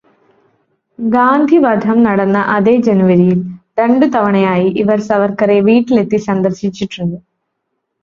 ഗാന്ധി വധം നടന്ന അതേ ജനുവരിയിൽ രണ്ടു തവണയായി ഇവർ സവർക്കറെ വീട്ടിലെത്തി സന്ദർശിച്ചിട്ടുണ്ട്.